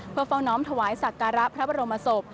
เพื่อเฝ้าน้อมถวายสักการะพระบรมศพ